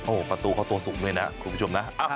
โอ้โหประตูเขาตัวสูงด้วยนะคุณผู้ชมนะ